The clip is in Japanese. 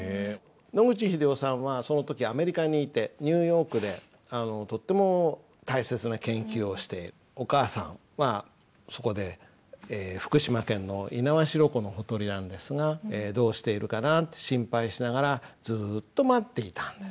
野口英世さんはその時アメリカにいてニューヨークでとっても大切な研究をしてお母さんはそこで福島県の猪苗代湖のほとりなんですがどうしているかなって心配しながらずっと待っていたんです。